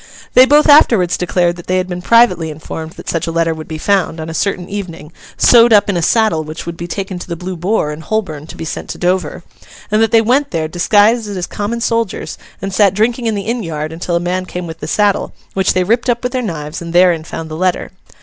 They both afterwards declared that they had been privately informed that such a letter would be found, on a certain evening, sewed up in a saddle which would be taken to the Blue Boar in Holborn to be sent to Dover; and that they went there, disguised as common soldiers, and sat drinking in the inn yard until a man came with the saddle, which they ripped up with their knives, and therein found the letter.